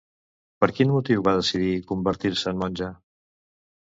Per quin motiu va decidir convertir-se en monja?